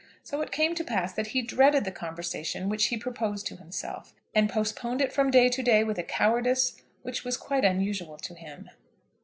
So it came to pass that he dreaded the conversation which he proposed to himself, and postponed it from day to day with a cowardice which was quite unusual to him.